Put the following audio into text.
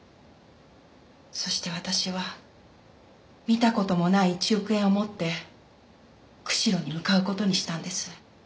そして私は見た事もない１億円を持って釧路に向かう事にしたんです。